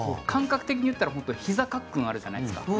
感覚的に言ったらひざかっくんあるじゃないですか。